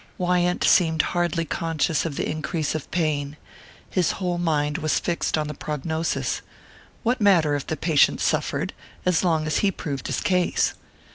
Wyant seemed hardly conscious of the increase of pain his whole mind was fixed on the prognosis. What matter if the patient suffered, as long as he proved his case?